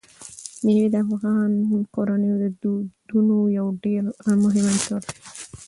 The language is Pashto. مېوې د افغان کورنیو د دودونو یو ډېر مهم عنصر دی.